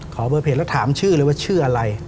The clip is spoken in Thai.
ขอเบอร์เพจแล้วถามชื่อเลยว่าชื่ออะไร